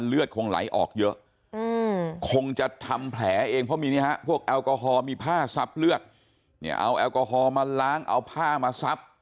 เอาแอลกอฮอล์มาล้างเอาผ้ามาซับ